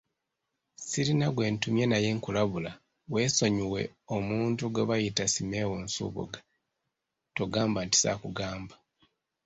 Sirina gwe ntumye naye nkulabula weesonyiwe omuntu gwe bayita Simeo Nsubuga, togamba nti saakugamba.